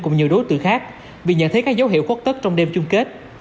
cùng nhiều đối tượng khác vì nhận thấy các dấu hiệu khuất tức trong đêm chung kết